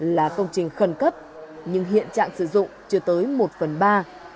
là công trình khẩn cấp nhưng hiện trạng sử dụng chưa tới một phần ba